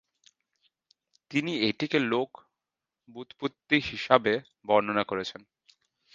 তিনি এটিকে লোক ব্যুৎপত্তি হিসেবে বর্ণনা করেছেন।